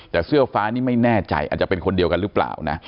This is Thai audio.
แต่เสื้อฟ้านี่ไม่แน่ใจอาจจะเป็นคนเดียวกันหรือเปล่านะ